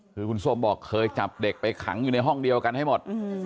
คือคุณส้มบอกเคยจับเด็กไปขังอยู่ในห้องเดียวกันให้หมด